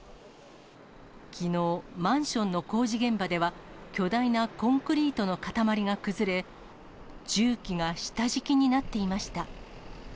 きのう、マンションの工事現場では、巨大なコンクリートの塊が崩れ、重機が下敷きになっていました。